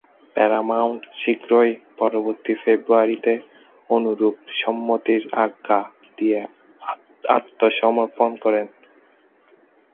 Paramount শীঘ্রই পরবর্তী ফেব্রুয়ারিতে অনুরূপ সম্মতির আজ্ঞা দিয়ে আত্মসমর্পণ করে।